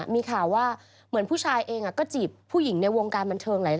มีข่าวว่าเหมือนผู้ชายเองก็จีบผู้หญิงในวงการบันเทิงหลาย